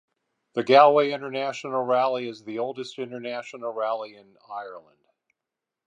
The Galway International Rally is the oldest International rally in Ireland.